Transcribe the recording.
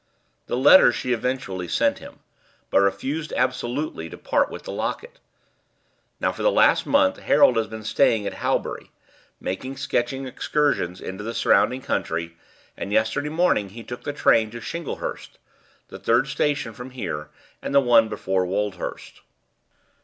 The letters she eventually sent him, but refused absolutely to part with the locket. "Now, for the last month Harold has been staying at Halbury, making sketching excursions into the surrounding country, and yesterday morning he took the train to Shinglehurst, the third station from here, and the one before Woldhurst.